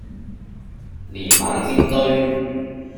年晚煎堆